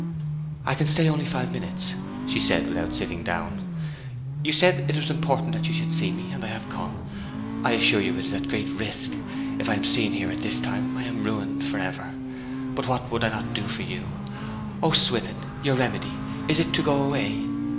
'I can stay only five minutes,' she said, without sitting down. 'You said it was important that you should see me, and I have come. I assure you it is at a great risk. If I am seen here at this time I am ruined for ever. But what would I not do for you? O Swithin, your remedy is it to go away?